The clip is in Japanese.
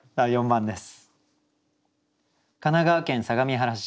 ４番です。